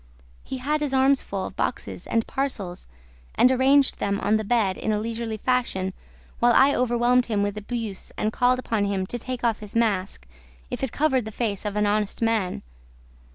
He had his arms full of boxes and parcels and arranged them on the bed, in a leisurely fashion, while I overwhelmed him with abuse and called upon him to take off his mask, if it covered the face of an honest man.